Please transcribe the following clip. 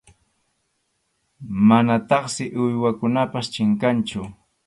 Manataqsi uywakunapas chinkanchu.